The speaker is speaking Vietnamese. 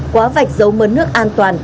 quá vạch dấu mớ nước an toàn